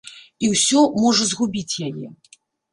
І ўсё можа згубіць яе.